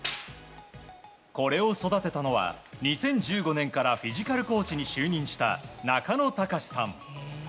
これを育てたのは２０１５年からフィジカルコーチに就任した中野崇さん。